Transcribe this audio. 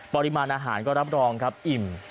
ปริมาณอาหารก็รับรองครับอิ่ม